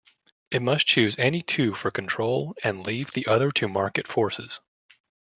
It must choose any two for control and leave the other to market forces.